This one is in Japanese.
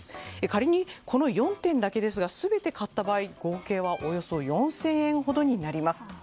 仮に、この４点だけですが全て買った場合合計はおよそ４０００円ほどになります。